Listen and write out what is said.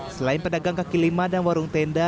selain pedagang kaki lima dan warung tenda